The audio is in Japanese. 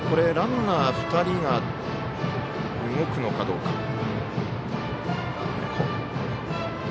ランナー２人が動くのかどうか。